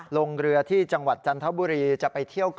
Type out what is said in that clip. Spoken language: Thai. ลงเรือที่จังหวัดจันทบุรีจะไปเที่ยว